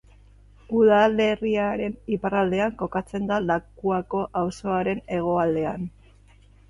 Udalerriaren iparraldean kokatzen da Lakuako auzoaren hegoaldean.